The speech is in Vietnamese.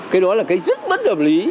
cái đó là cái rất bất đồng lý